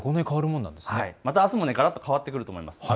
また、あすもがらっと変わってくると思います。